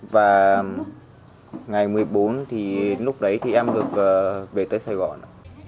và ngày một mươi bốn thì lúc đấy thì em được về tới sài gòn ạ